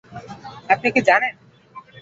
আপনি কি জানেন?